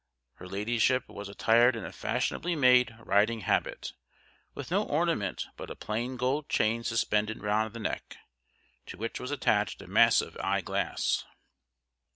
Her Ladyship was attired in a fashionably made riding habit, with no ornament but a plain gold chain suspended round the neck, to which was attached a massive eye glass.